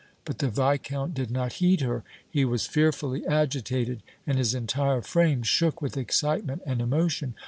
But the Viscount did not heed her. He was fearfully agitated and his entire frame shook with excitement and emotion.